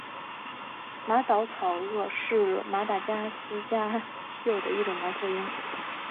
马岛草鸮是马达加斯加稀有的一种猫头鹰。